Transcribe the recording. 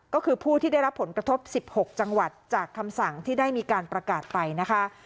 ก็คือผู้ที่ได้รับผลกระทบ๑๖จังหวัดจากคำสั่งที่ได้มีการประกาศไปนะคะ